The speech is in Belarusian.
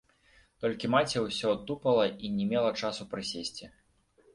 Толькі маці ўсё тупала і не мела часу прысесці.